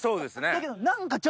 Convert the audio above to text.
だけど。